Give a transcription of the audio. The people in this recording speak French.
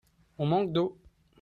On manque d'eau.